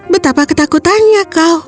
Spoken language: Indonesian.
betapa ketakutannya kau